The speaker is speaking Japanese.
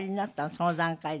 その段階で。